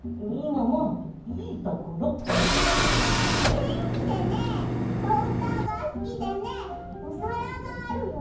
げんきでねおうたがすきでねおさらがあるよ。